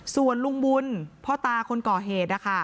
ส่วนลุงบุญพ่อตาคนก่อเหตุนะคะ